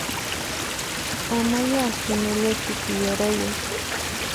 Amaya hinallachu tiyarayay